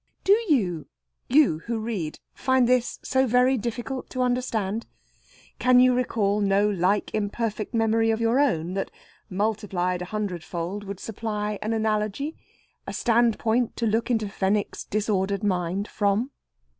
Do you you who read find this so very difficult to understand? Can you recall no like imperfect memory of your own that, multiplied a hundredfold, would supply an analogy, a standpoint to look into Fenwick's disordered mind from?